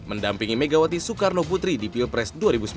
mendampingi megawati soekarno putri di pilpres dua ribu sembilan belas